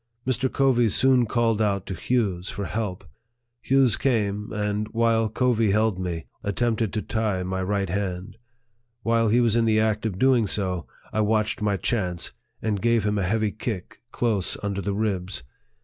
Mr. Covey soon called out to Hughes for help." Hughes came, and, while Covey held me, at tempted to tie my right hand. While he was in the act of doing so, I watched my chance, and gave him a heavy kick close under the ribs.